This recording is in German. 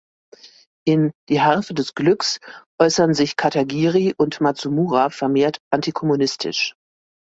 In "Die Harfe des Glücks" äußern sich Katagiri und Matsumura vermehrt antikommunistisch.